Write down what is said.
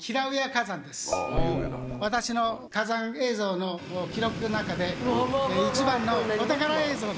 私の火山映像の記録の中で一番のお宝映像です。